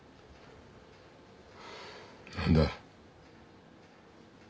何だ？